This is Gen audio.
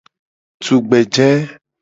Tugbeje.